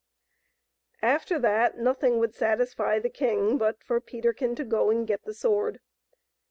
After that nothing would satisfy the king but for Peterkin to go and get the sword.